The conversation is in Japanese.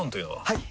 はい！